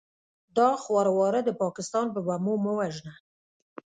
دا خواره واره د پاکستان په بمو مه وژنه!